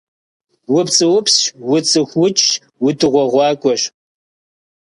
УпцӀыупсщ, уцӀыхуукӀщ, удыгъуэгъуакӀуэщ!